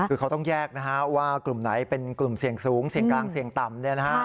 คือเขาต้องแยกนะฮะว่ากลุ่มไหนเป็นกลุ่มเสี่ยงสูงเสี่ยงกลางเสี่ยงต่ำ